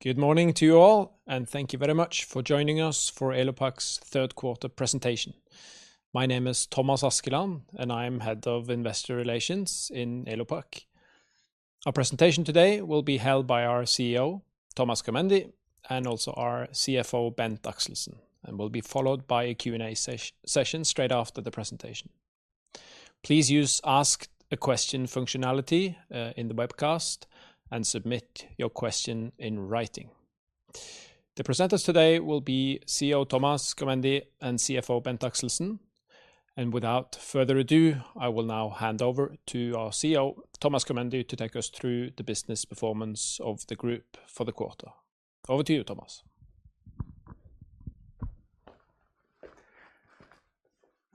Good morning to you all and thank you very much for joining us for Elopak's third quarter presentation. My name is Thomas Askeland, and I am head of investor relations in Elopak. Our presentation today will be held by our CEO, Thomas Körmendi, and also our CFO, Bent Axelsen, and will be followed by a Q&A session straight after the presentation. Please use Ask a Question functionality in the webcast and submit your question in writing. The presenters today will be CEO Thomas Körmendi and CFO Bent Axelsen. Without further ado, I will now hand over to our CEO, Thomas Körmendi, to take us through the business performance of the group for the quarter. Over to you, Thomas.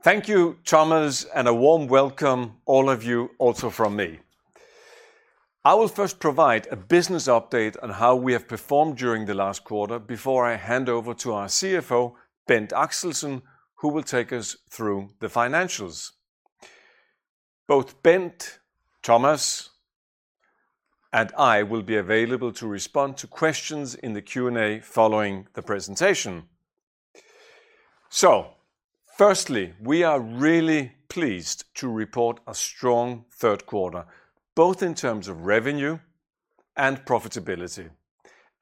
Thank you Thomas and a warm welcome, all of you, also from me. I will first provide a business update on how we have performed during the last quarter before I hand over to our CFO, Bent Axelsen, who will take us through the financials. Both Bent, Thomas, and I will be available to respond to questions in the Q&A following the presentation. Firstly, we are really pleased to report a strong third quarter, both in terms of revenue and profitability.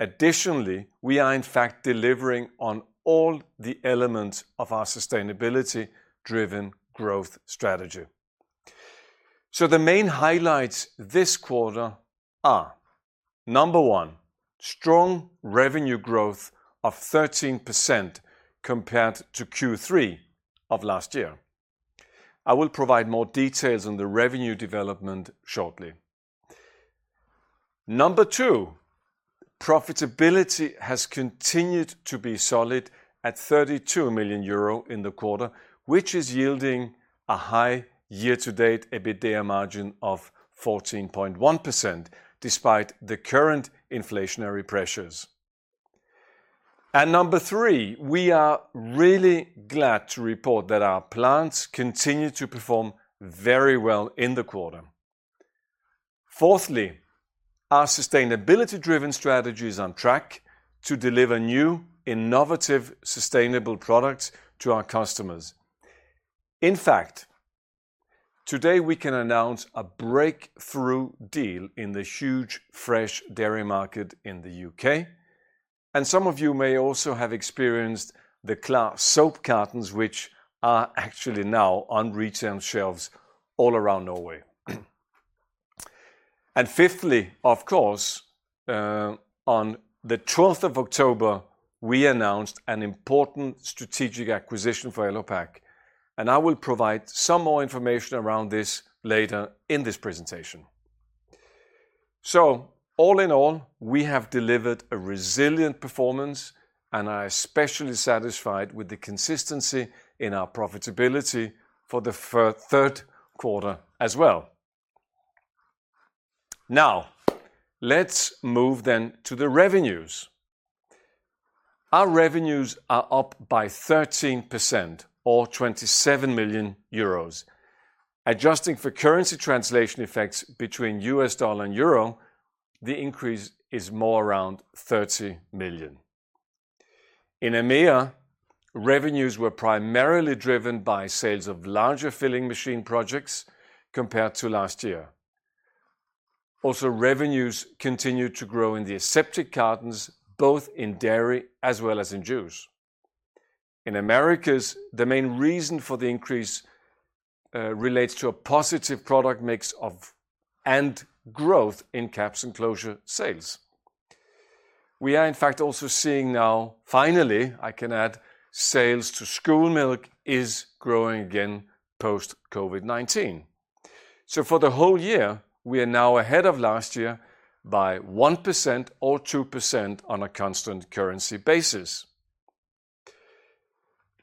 Additionally, we are in fact delivering on all the elements of our sustainability-driven growth strategy. The main highlights this quarter are, number one, strong revenue growth of 13% compared to Q3 of last year. I will provide more details on the revenue development shortly. Number two, profitability has continued to be solid at 32 million euro in the quarter, which is yielding a high year-to-date EBITDA margin of 14.1% despite the current inflationary pressures. Number three, we are really glad to report that our plants continue to perform very well in the quarter. Fourthly, our sustainability-driven strategy is on track to deliver new, innovative, sustainable products to our customers. In fact, today we can announce a breakthrough deal in the huge fresh dairy market in the U.K. Some of you may also have experienced the soap cartons, which are actually now on retail shelves all around Norway. Fifthly, of course, on the October 12th, we announced an important strategic acquisition for Elopak, and I will provide some more information around this later in this presentation. All in all, we have delivered a resilient performance, and I am especially satisfied with the consistency in our profitability for the third quarter as well. Now, let's move then to the revenues. Our revenues are up by 13% or 27 million euros. Adjusting for currency translation effects between U.S. dollar and euro, the increase is more around 30 million. In EMEA, revenues were primarily driven by sales of larger filling machine projects compared to last year. Also, revenues continued to grow in the aseptic cartons, both in dairy as well as in juice. In Americas, the main reason for the increase relates to a positive product mix of, and growth in caps and closure sales. We are in fact also seeing now, finally I can add, sales to school milk is growing again post COVID-19. For the whole year, we are now ahead of last year by 1% or 2% on a constant currency basis.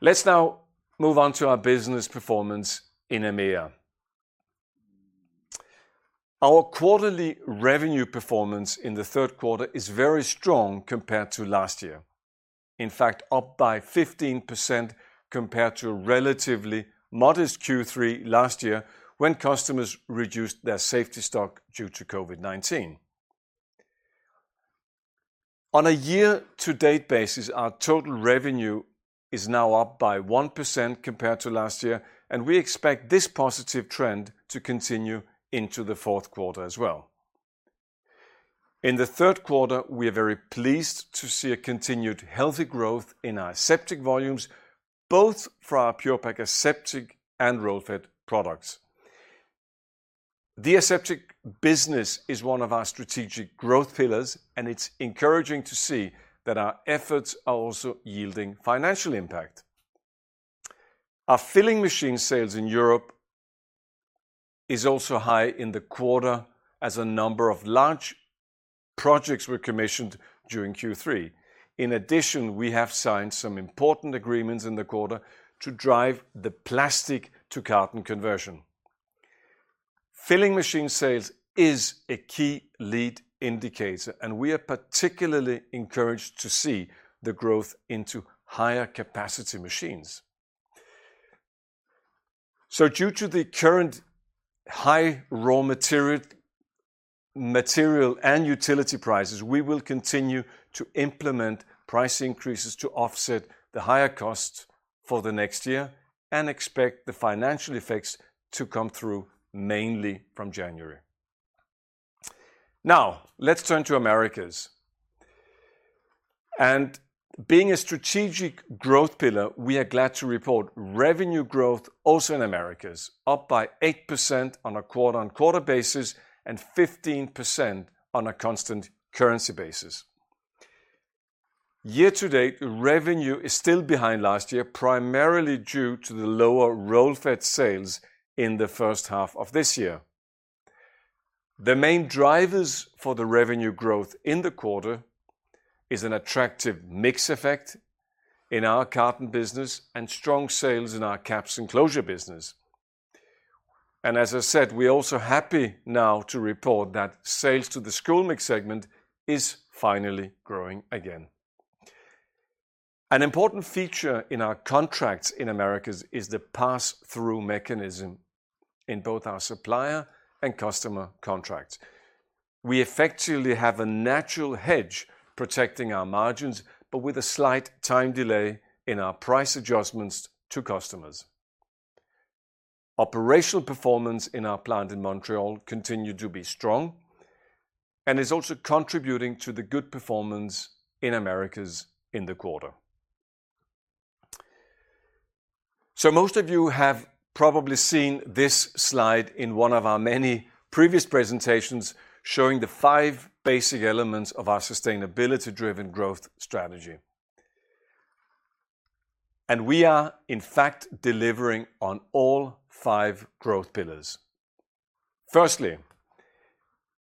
Let's now move on to our business performance in EMEA. Our quarterly revenue performance in the third quarter is very strong compared to last year. In fact, up by 15% compared to a relatively modest Q3 last year when customers reduced their safety stock due to COVID-19. On a year-to-date basis, our total revenue is now up by 1% compared to last year, and we expect this positive trend to continue into the fourth quarter as well. In the third quarter, we are very pleased to see a continued healthy growth in our aseptic volumes, both for our Pure-Pak Aseptic and Roll-Fed products. The aseptic business is one of our strategic growth pillars, and it's encouraging to see that our efforts are also yielding financial impact. Our filling machine sales in Europe is also high in the quarter as a number of large projects were commissioned during Q3. In addition, we have signed some important agreements in the quarter to drive the plastic to carton conversion. Filling machine sales is a key lead indicator, and we are particularly encouraged to see the growth into higher capacity machines. Due to the current high raw material and utility prices, we will continue to implement price increases to offset the higher costs for the next year and expect the financial effects to come through mainly from January. Now, let's turn to Americas. Being a strategic growth pillar, we are glad to report revenue growth also in Americas, up by 8% on a quarter-on-quarter basis and 15% on a constant currency basis. Year-to-date, revenue is still behind last year, primarily due to the lower Roll-Fed sales in the first half of this year. The main drivers for the revenue growth in the quarter is an attractive mix effect in our carton business and strong sales in our caps and closure business. As I said, we're also happy now to report that sales to the school milk segment is finally growing again. An important feature in our contracts in Americas is the pass-through mechanism in both our supplier and customer contracts. We effectively have a natural hedge protecting our margins, but with a slight time delay in our price adjustments to customers. Operational performance in our plant in Montreal continued to be strong and is also contributing to the good performance in Americas in the quarter. Most of you have probably seen this slide in one of our many previous presentations showing the five basic elements of our sustainability-driven growth strategy. We are in fact delivering on all five growth pillars. Firstly,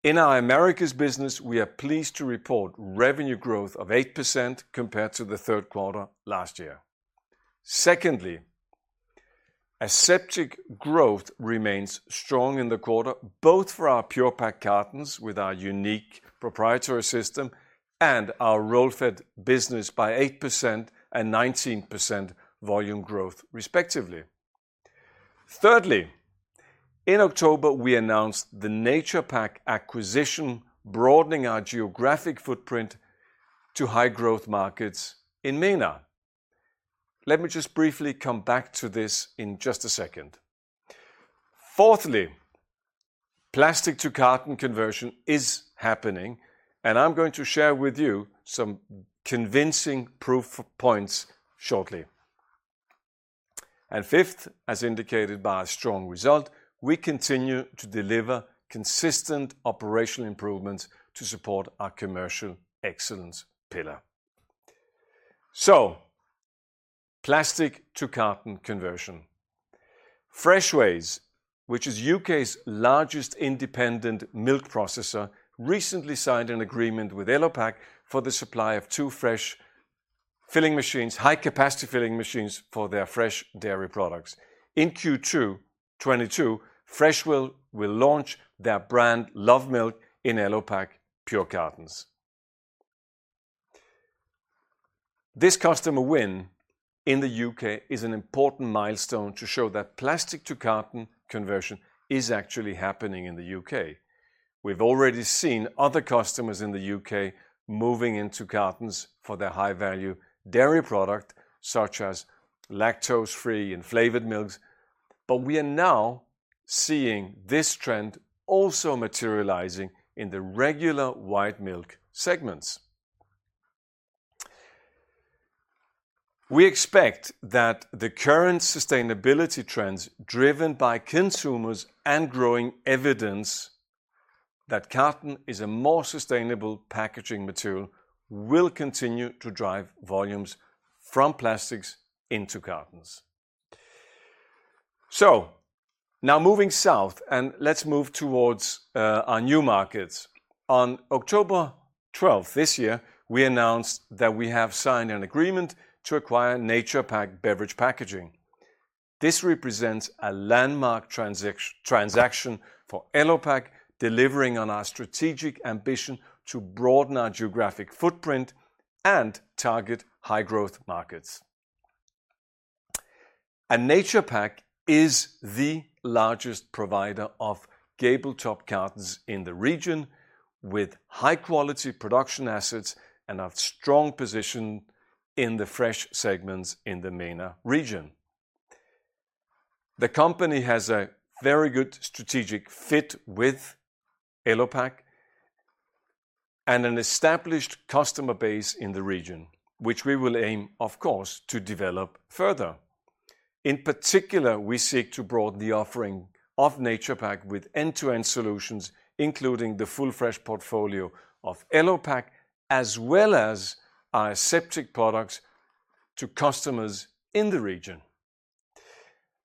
in our Americas business, we are pleased to report revenue growth of 8% compared to the third quarter last year. Secondly, aseptic growth remains strong in the quarter, both for our Pure-Pak cartons with our unique proprietary system and our roll-fed business by 8% and 19% volume growth respectively. Thirdly, in October, we announced the Naturepak acquisition, broadening our geographic footprint to high-growth markets in MENA. Let me just briefly come back to this in just a second. Fourthly, plastic to carton conversion is happening, and I'm going to share with you some convincing proof points shortly. Fifth, as indicated by our strong result, we continue to deliver consistent operational improvements to support our commercial excellence pillar. Plastic to carton conversion. Freshways, which is U.K.'s largest independent milk processor, recently signed an agreement with Elopak for the supply of two fresh filling machines, high-capacity filling machines for their fresh dairy products. In Q2 2022, Fresh will launch their brand Love Milk in Elopak Pure-Pak cartons. This customer win in the U.K. is an important milestone to show that plastic to carton conversion is actually happening in the U.K. We've already seen other customers in the U.K. moving into cartons for their high-value dairy product, such as lactose-free and flavored milks, but we are now seeing this trend also materializing in the regular white milk segments. We expect that the current sustainability trends driven by consumers and growing evidence that carton is a more sustainable packaging material will continue to drive volumes from plastics into cartons. Now moving south, and let's move towards our new markets. On October 12th this year, we announced that we have signed an agreement to acquire Naturepak Beverage Packaging. This represents a landmark transaction for Elopak, delivering on our strategic ambition to broaden our geographic footprint and target high-growth markets. Naturepak is the largest provider of gable top cartons in the region with high-quality production assets and a strong position in the fresh segments in the MENA region. The company has a very good strategic fit with Elopak and an established customer base in the region, which we will aim, of course, to develop further. In particular, we seek to broaden the offering of Naturepak with end-to-end solutions, including the full fresh portfolio of Elopak, as well as our aseptic products to customers in the region.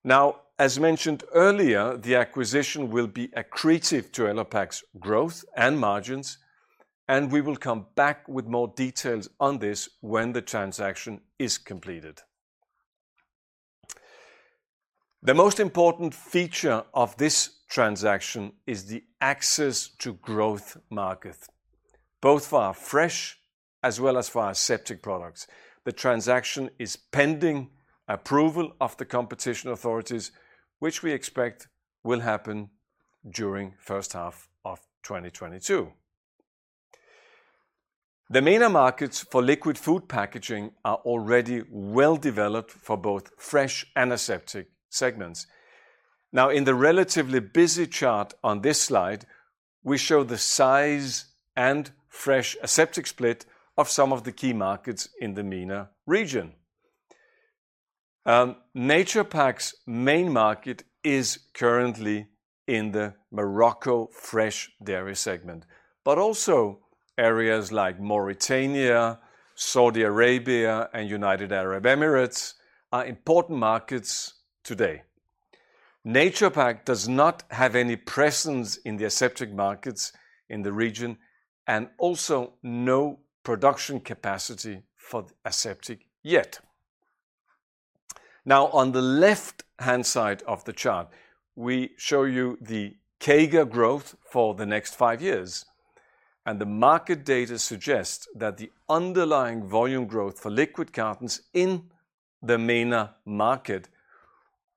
Now, as mentioned earlier, the acquisition will be accretive to Elopak's growth and margins, and we will come back with more details on this when the transaction is completed. The most important feature of this transaction is the access to growth markets, both for our fresh as well as for our aseptic products. The transaction is pending approval of the competition authorities, which we expect will happen during first half of 2022. The MENA markets for liquid food packaging are already well developed for both fresh and aseptic segments. Now, in the relatively busy chart on this slide, we show the size and fresh and aseptic split of some of the key markets in the MENA region. Naturepak's main market is currently in the Morocco fresh dairy segment, but also areas like Mauritania, Saudi Arabia, and United Arab Emirates are important markets today. Naturepak does not have any presence in the aseptic markets in the region and also no production capacity for aseptic yet. Now, on the left-hand side of the chart, we show you the CAGR growth for the next five years, and the market data suggests that the underlying volume growth for liquid cartons in the MENA market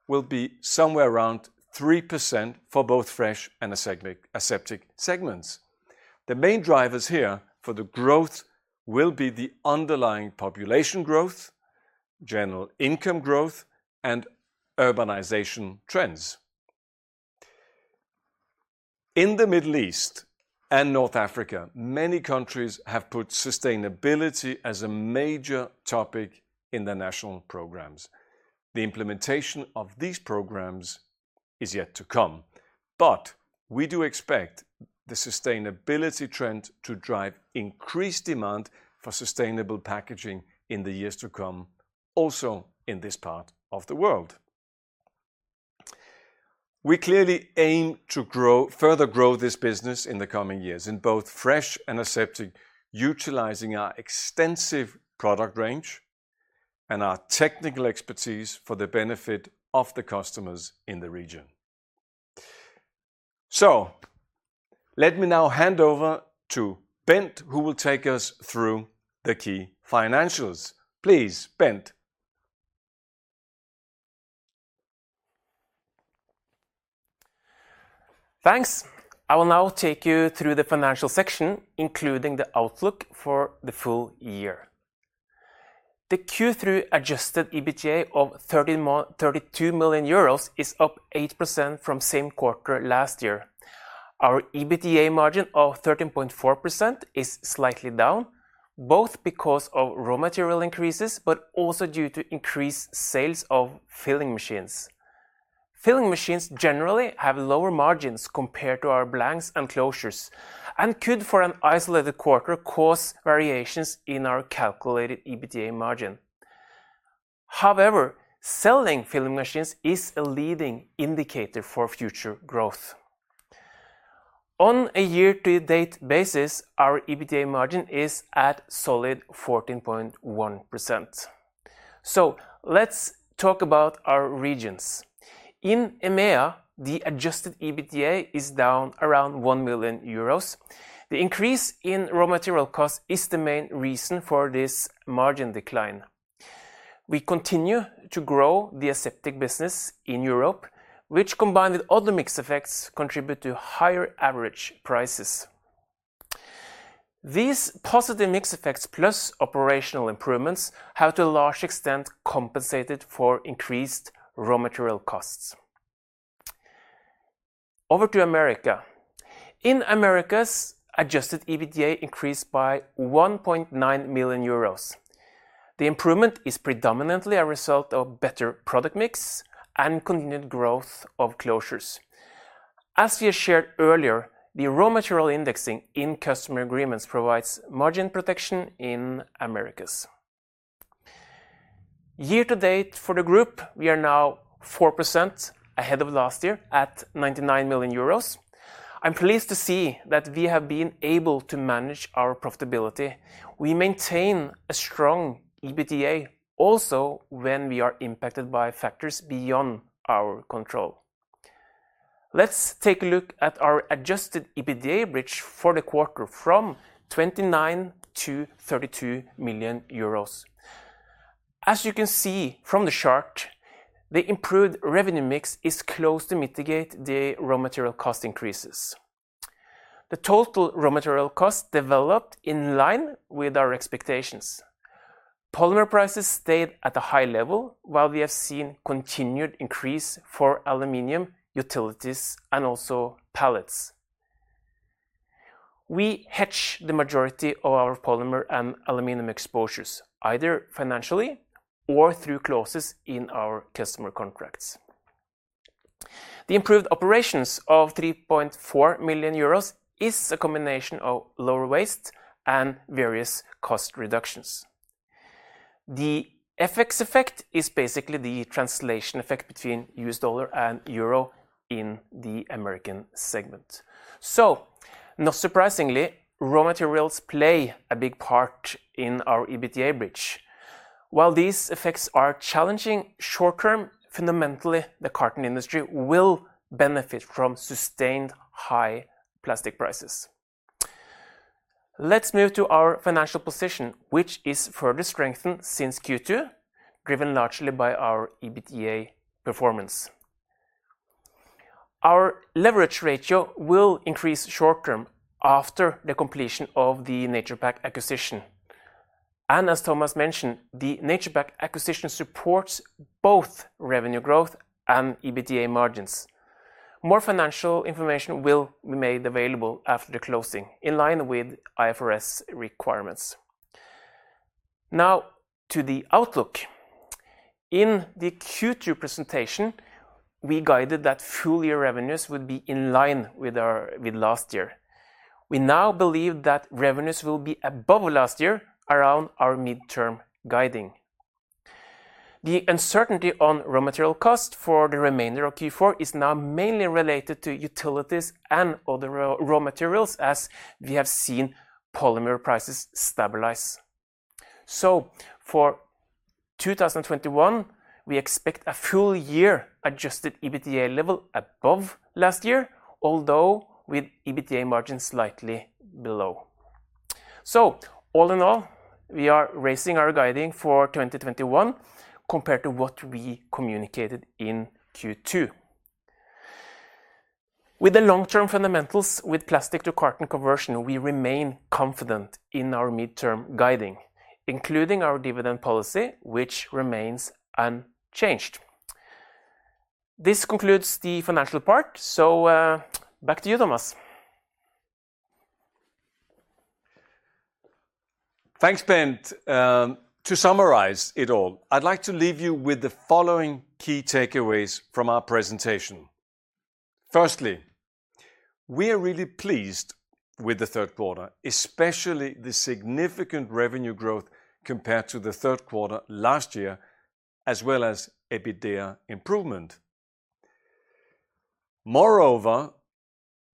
will be somewhere around 3% for both fresh and aseptic segments. The main drivers here for the growth will be the underlying population growth, general income growth, and urbanization trends. In the Middle East and North Africa, many countries have put sustainability as a major topic in their national programs. The implementation of these programs is yet to come, but we do expect the sustainability trend to drive increased demand for sustainable packaging in the years to come, also in this part of the world. We clearly aim to grow, further grow this business in the coming years in both fresh and aseptic, utilizing our extensive product range and our technical expertise for the benefit of the customers in the region. Let me now hand over to Bent, who will take us through the key financials. Please, Bent. Thanks. I will now take you through the financial section, including the outlook for the full year. The Q3 adjusted EBITDA of 32 million euros is up 8% from same quarter last year. Our EBITDA margin of 13.4% is slightly down, both because of raw material increases, but also due to increased sales of filling machines. Filling machines generally have lower margins compared to our blanks and closures, and could, for an isolated quarter, cause variations in our calculated EBITDA margin. However, selling filling machines is a leading indicator for future growth. On a year-to-date basis, our EBITDA margin is at solid 14.1%. Let's talk about our regions. In EMEA, the adjusted EBITDA is down around 1 million euros. The increase in raw material cost is the main reason for this margin decline. We continue to grow the aseptic business in Europe, which combined with other mix effects contribute to higher average prices. These positive mix effects plus operational improvements have to a large extent compensated for increased raw material costs. Over to Americas. In Americas, adjusted EBITDA increased by 1.9 million euros. The improvement is predominantly a result of better product mix and continued growth of closures. As we have shared earlier, the raw material indexing in customer agreements provides margin protection in Americas. Year-to-date for the group, we are now 4% ahead of last year at 99 million euros. I'm pleased to see that we have been able to manage our profitability. We maintain a strong EBITDA also when we are impacted by factors beyond our control. Let's take a look at our adjusted EBITDA bridge for the quarter from 29 million-32 million euros. As you can see from the chart, the improved revenue mix is close to mitigate the raw material cost increases. The total raw material cost developed in line with our expectations. Polymer prices stayed at a high level, while we have seen continued increase for aluminum, utilities, and also pallets. We hedge the majority of our polymer and aluminum exposures, either financially or through clauses in our customer contracts. The improved operations of 3.4 million euros is a combination of lower waste and various cost reductions. The FX effect is basically the translation effect between U.S. dollar and euro in the American segment. Not surprisingly, raw materials play a big part in our EBITDA bridge. While these effects are challenging short term, fundamentally, the carton industry will benefit from sustained high plastic prices. Let's move to our financial position, which is further strengthened since Q2, driven largely by our EBITDA performance. Our leverage ratio will increase short term after the completion of the Naturepak acquisition. As Thomas mentioned, the Naturepak acquisition supports both revenue growth and EBITDA margins. More financial information will be made available after the closing in line with IFRS requirements. Now to the outlook. In the Q2 presentation, we guided that full year revenues would be in line with last year. We now believe that revenues will be above last year around our midterm guiding. The uncertainty on raw material cost for the remainder of Q4 is now mainly related to utilities and other raw materials, as we have seen polymer prices stabilize. For 2021, we expect a full year adjusted EBITDA level above last year, although with EBITDA margins slightly below. All in all, we are raising our guidance for 2021 compared to what we communicated in Q2. With the long-term fundamentals with plastic to carton conversion, we remain confident in our midterm guidance, including our dividend policy which remains unchanged. This concludes the financial part, so, back to you, Thomas. Thanks, Bent. To summarize it all, I'd like to leave you with the following key takeaways from our presentation. Firstly, we are really pleased with the third quarter, especially the significant revenue growth compared to the third quarter last year, as well as EBITDA improvement. Moreover,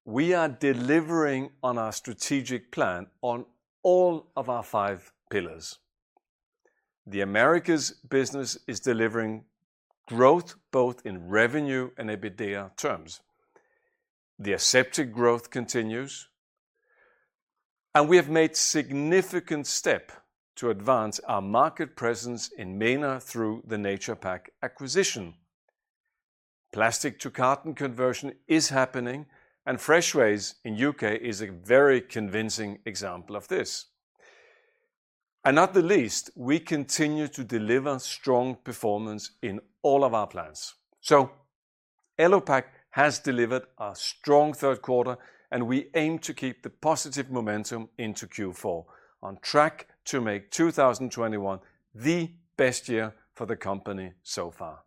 we are delivering on our strategic plan on all of our five pillars. The Americas business is delivering growth both in revenue and EBITDA terms. The aseptic growth continues, and we have made significant step to advance our market presence in MENA through the Naturepak acquisition. Plastic to carton conversion is happening, and Freshways in U.K. is a very convincing example of this. Not the least, we continue to deliver strong performance in all of our plants. Elopak has delivered a strong third quarter, and we aim to keep the positive momentum into Q4 on track to make 2021 the best year for the company so far.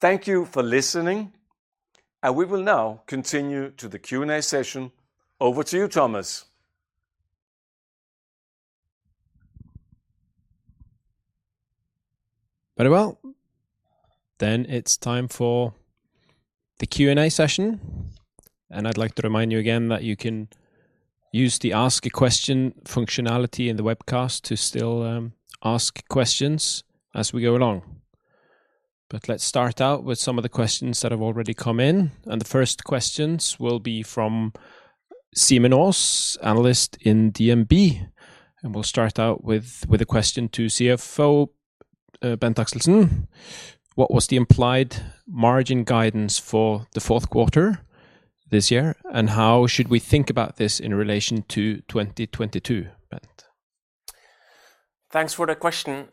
Thank you for listening, and we will now continue to the Q&A session. Over to you, Thomas. Very well. It's time for the Q&A session, and I'd like to remind you again that you can use the ask a question functionality in the webcast to still ask questions as we go along. Let's start out with some of the questions that have already come in, and the first questions will be from Simon Os, Analyst in DNB. We'll start out with a question to CFO Bent Axelsen. What was the implied margin guidance for the fourth quarter this year, and how should we think about this in relation to 2022, Bent? Thanks for the question.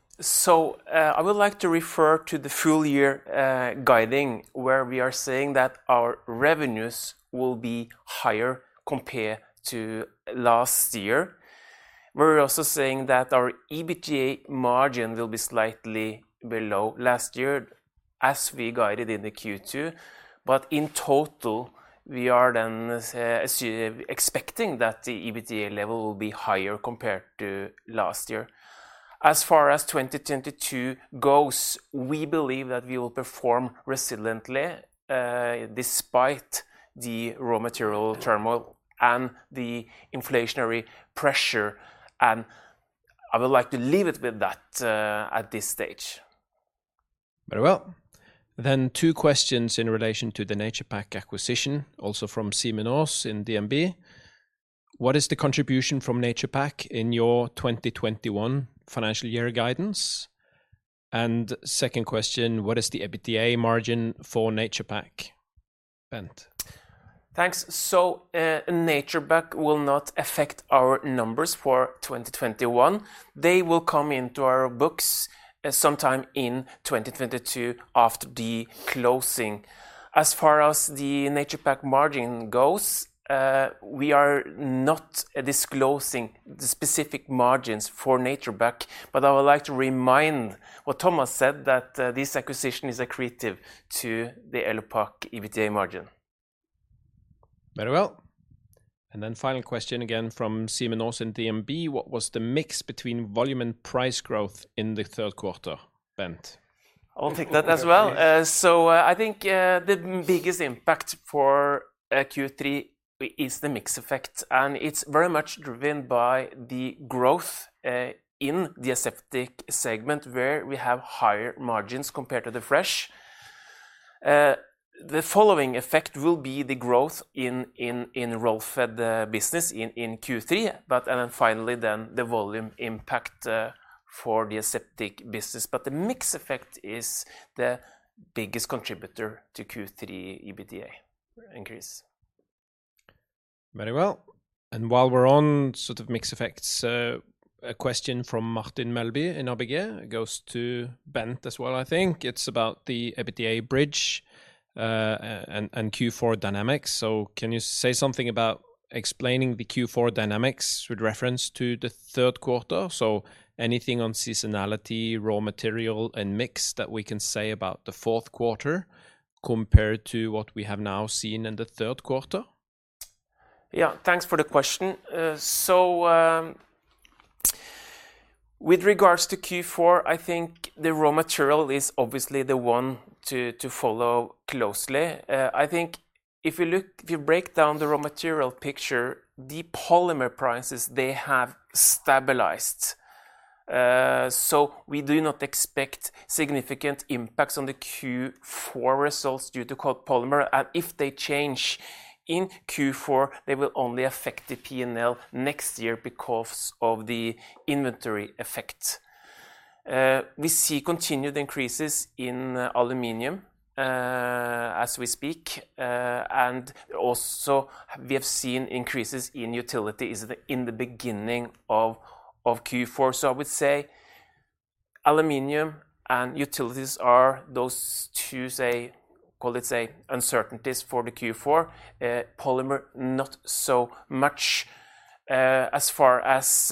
I would like to refer to the full year guidance, where we are saying that our revenues will be higher compared to last year. We're also saying that our EBITDA margin will be slightly below last year as we guided in the Q2. In total, we are expecting that the EBITDA level will be higher compared to last year. As far as 2022 goes, we believe that we will perform resiliently despite the raw material turmoil and the inflationary pressure, and I would like to leave it with that at this stage. Very well. Two questions in relation to the Naturepak acquisition, also from Simon Os in DNB. What is the contribution from Naturepak in your 2021 financial year guidance? Second question, what is the EBITDA margin for Naturepak, Bent? Thanks. Naturepak will not affect our numbers for 2021. They will come into our books sometime in 2022 after the closing. As far as the Naturepak margin goes, we are not disclosing the specific margins for Naturepak, but I would like to remind what Thomas said, that this acquisition is accretive to the Elopak EBITDA margin. Very well. Final question again from Simon Os in DNB, what was the mix between volume and price growth in the third quarter, Bent? I'll take that as well. I think the biggest impact for Q3 is the mix effect, and it's very much driven by the growth in the aseptic segment, where we have higher margins compared to the fresh. The following effect will be the growth in Roll-Fed business in Q3. Then finally the volume impact for the aseptic business. The mix effect is the biggest contributor to Q3 EBITDA increase. Very well. While we're on sort of mix effects, a question from Martin Melbye in ABG goes to Bent as well, I think. It's about the EBITDA bridge, and Q4 dynamics. Can you say something about explaining the Q4 dynamics with reference to the third quarter? Anything on seasonality, raw material, and mix that we can say about the fourth quarter compared to what we have now seen in the third quarter? Yeah. Thanks for the question. With regards to Q4, I think the raw material is obviously the one to follow closely. I think if you break down the raw material picture, the polymer prices, they have stabilized. We do not expect significant impacts on the Q4 results due to polymer. If they change in Q4, they will only affect the P&L next year because of the inventory effect. We see continued increases in aluminum, as we speak. Also, we have seen increases in utilities in the beginning of Q4. I would say aluminum and utilities are those two, say, call it, say, uncertainties for the Q4. Polymer not so much. As far as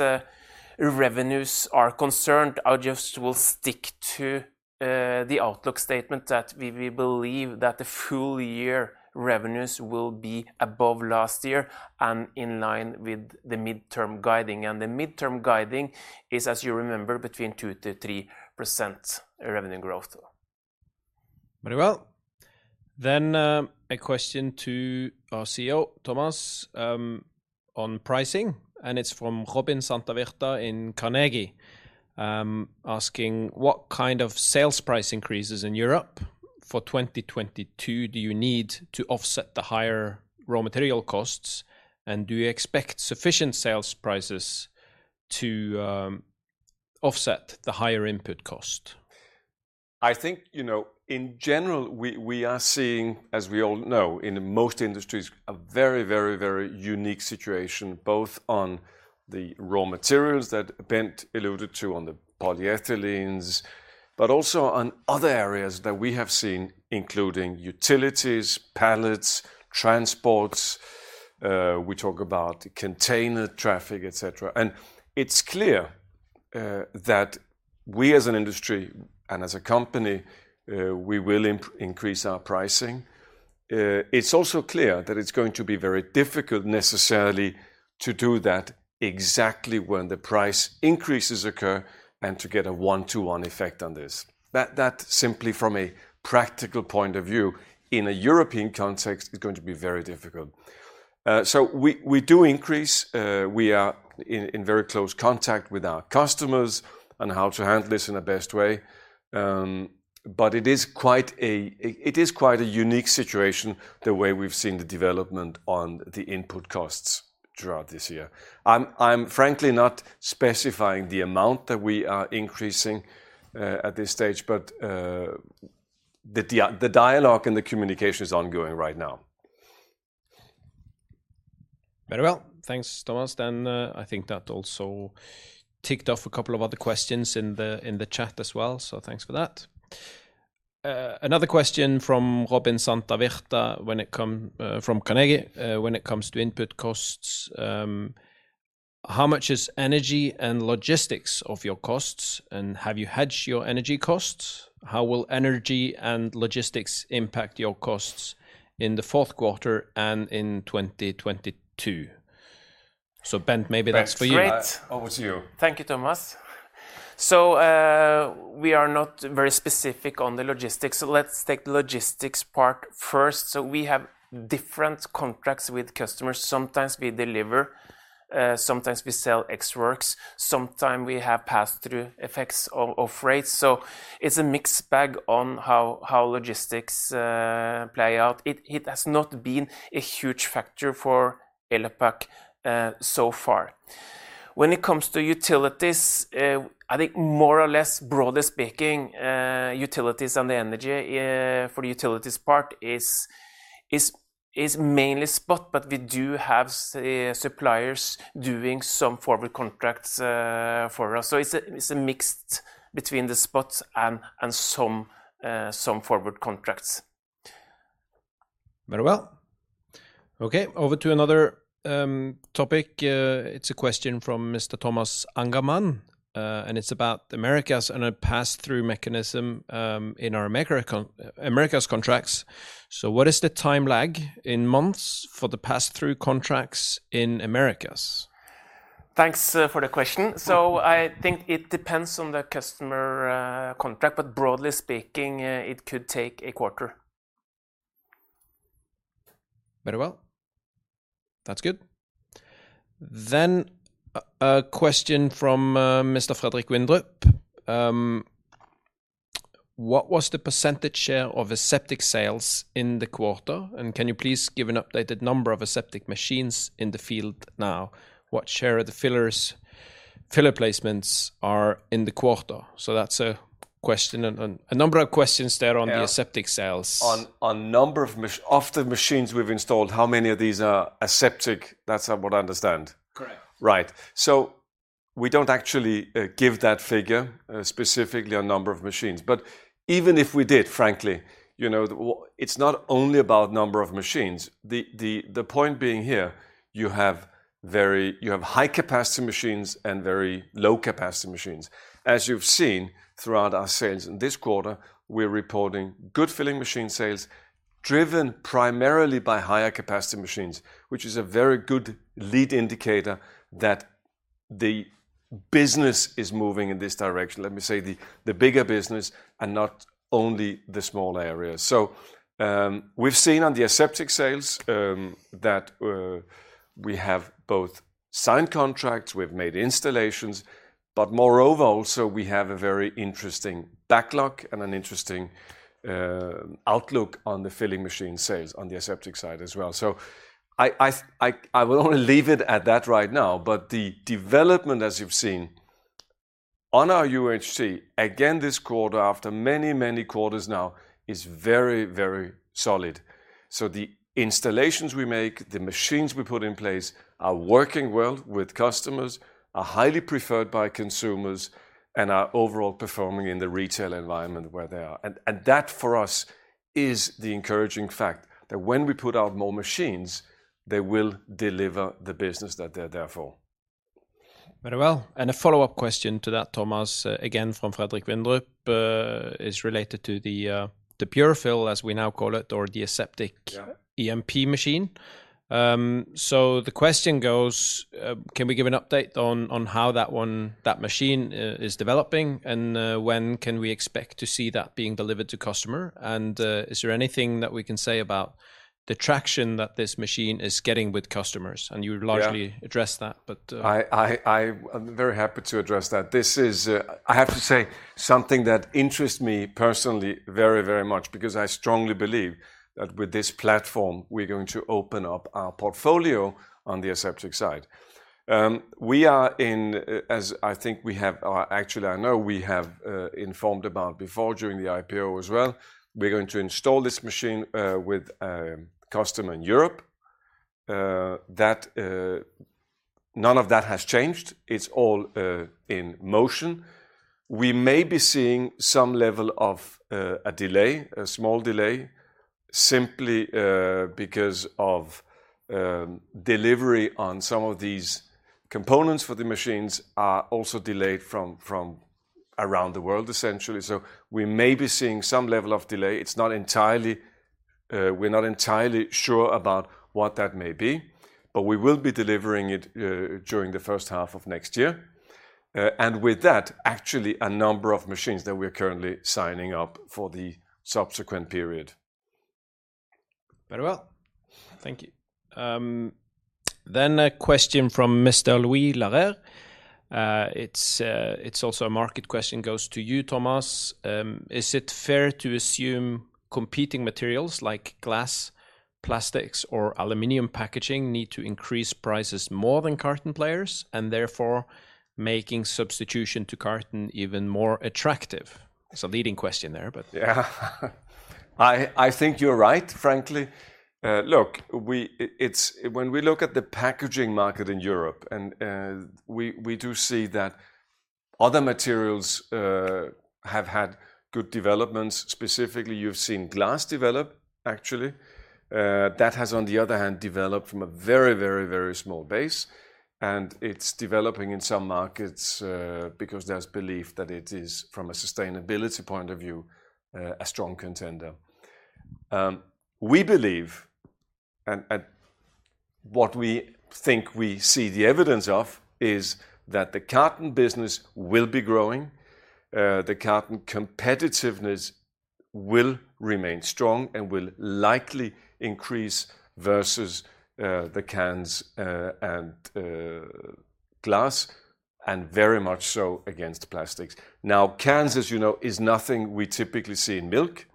revenues are concerned, I just will stick to the outlook statement that we believe that the full year revenues will be above last year and in line with the mid-term guidance. The mid-term guidance is, as you remember, between 2%-3% revenue growth. Very well. A question to our CEO, Thomas, on pricing, and it's from Robin Santavirta in Carnegie, asking: What kind of sales price increases in Europe for 2022 do you need to offset the higher raw material costs? And do you expect sufficient sales prices to offset the higher input cost? I think, you know, in general, we are seeing, as we all know, in most industries, a very unique situation, both on the raw materials that Bent alluded to on the polyethylenes, but also on other areas that we have seen, including utilities, pallets, transports. We talk about container traffic, et cetera. It's clear that we as an industry and as a company, we will increase our pricing. It's also clear that it's going to be very difficult necessarily to do that exactly when the price increases occur and to get a one-to-one effect on this. That simply from a practical point of view in a European context is going to be very difficult. So, we do increase. We are in very close contact with our customers on how to handle this in the best way. It is quite a unique situation, the way we've seen the development on the input costs throughout this year. I'm frankly not specifying the amount that we are increasing at this stage, but the dialogue and the communication is ongoing right now. Very well. Thanks, Thomas. I think that also ticked off a couple of other questions in the chat as well, so thanks for that. Another question from Robin Santavirta from Carnegie, when it comes to input costs. How much is energy and logistics of your costs, and have you hedged your energy costs? How will energy and logistics impact your costs in the fourth quarter and in 2022? Bent, maybe that's for you. That's great. Over to you. Thank you, Thomas. We are not very specific on the logistics. Let's take the logistics part first. We have different contracts with customers. Sometimes we deliver, sometimes we sell ex works. Sometimes we have pass-through effects of rates. It's a mixed bag on how logistics play out. It has not been a huge factor for Elopak so far. When it comes to utilities, I think more or less broadly speaking, utilities and the energy for the utilities part is mainly spot, but we do have suppliers doing some forward contracts for us. It's a mix between the spots and some forward contracts. Very well. Okay, over to another topic. It's a question from Mr. Thomas Angermann, and it's about Americas and a pass-through mechanism in our Americas contracts. What is the time lag in months for the pass-through contracts in Americas? Thanks for the question. I think it depends on the customer contract, but broadly speaking, it could take a quarter. Very well. That's good. A question from Mr. Frederik Windrup. What was the percentage share of aseptic sales in the quarter? And can you please give an updated number of aseptic machines in the field now? What share of the filler placements are in the quarter? That's a question and a number of questions there on the aseptic sales. Yeah. Of the machines we've installed, how many of these are aseptic? That's what I understand. Correct. Right. We don't actually give that figure specifically on number of machines. But even if we did, frankly, you know, it's not only about number of machines. The point being here, you have high capacity machines and very low capacity machines. As you've seen throughout our sales in this quarter, we're reporting good filling machine sales driven primarily by higher capacity machines, which is a very good lead indicator that the business is moving in this direction. Let me say, the bigger business and not only the small areas. We've seen on the aseptic sales that we have both signed contracts, we've made installations, but moreover also we have a very interesting backlog and an interesting outlook on the filling machine sales on the aseptic side as well. I will only leave it at that right now, but the development as you've seen on our UHT, again this quarter after many, many quarters now, is very, very solid. The installations we make, the machines we put in place are working well with customers, are highly preferred by consumers, and are overall performing in the retail environment where they are. That for us is the encouraging fact that when we put out more machines, they will deliver the business that they're there for. Very well. A follow-up question to that, Thomas, again from Frederik Windrup, is related to the Pure-Fill, as we now call it or the aseptic. Yeah. E-MP machine. So, the question goes, can we give an update on how that one, that machine, is developing? When can we expect to see that being delivered to customer? Is there anything that we can say about the traction that this machine is getting with customers? You largely. Yeah. Addressed that, but. I am very happy to address that. This is, I have to say, something that interests me personally very, very much because I strongly believe that with this platform, we're going to open up our portfolio on the aseptic side. We are in, as I think we have, or actually I know we have, informed about before during the IPO as well, we're going to install this machine with a customer in Europe. None of that has changed. It's all in motion. We may be seeing some level of a small delay, simply because of delivery on some of these components for the machines are also delayed from around the world, essentially. We may be seeing some level of delay. It's not entirely, we're not entirely sure about what that may be, but we will be delivering it during the first half of next year. With that, actually a number of machines that we are currently signing up for the subsequent period. Very well. Thank you. A question from Mr. Louis Larer. It's also a market question, goes to you, Thomas. Is it fair to assume competing materials like glass, plastics or aluminum packaging need to increase prices more than carton players and therefore making substitution to carton even more attractive? It's a leading question there, but. Yeah. I think you're right, frankly. Look, when we look at the packaging market in Europe and we do see that other materials have had good developments. Specifically, you've seen glass develop actually. That has on the other hand developed from a very small base, and it's developing in some markets because there's belief that it is from a sustainability point of view a strong contender. We believe and what we think we see the evidence of is that the carton business will be growing. The carton competitiveness will remain strong and will likely increase versus the cans and glass, and very much so against plastics. Now, cans, as you know, is nothing we typically see in milk,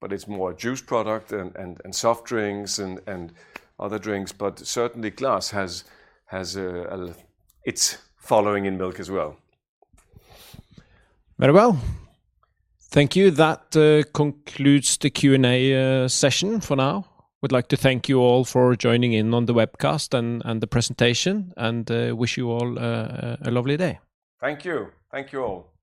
but it's more juice product and soft drinks and other drinks, but certainly glass has its following in milk as well. Very well. Thank you. That concludes the Q&A session for now. We'd like to thank you all for joining in on the webcast and the presentation and wish you all a lovely day. Thank you. Thank you all.